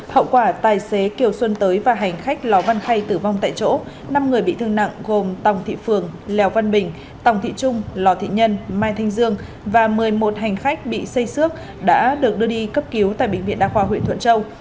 hậu quả tài xế kiều xuân tới và hành khách lò văn khay tử vong tại chỗ năm người bị thương nặng gồm tòng thị phường lèo văn bình tòng thị trung lò thị nhân mai thanh dương và một mươi một hành khách bị xây xước đã được đưa đi cấp cứu tại bệnh viện đa khoa huyện thuận châu